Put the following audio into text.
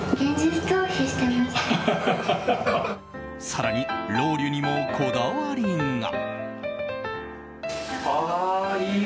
更に、ロウリュにもこだわりが。